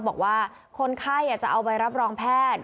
บอกว่าคนไข้จะเอาใบรับรองแพทย์